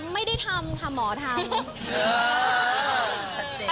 อ๋อไม่ได้ทำทำเหรอทำ